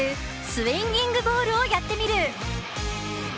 スインギングボールをやってみる。